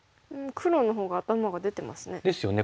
黒のほうが頭が出てますね。ですよね。